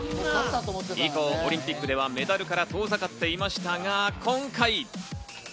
以降、オリンピックではメダルから遠ざかっていましたが、今回。